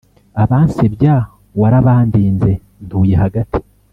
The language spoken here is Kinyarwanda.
Abansebya warabandinze ntuye hagati